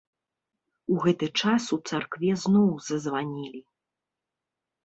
У гэты час у царкве зноў зазванілі.